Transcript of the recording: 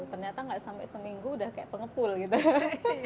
ternyata nggak sampai seminggu udah kayak pengepul gitu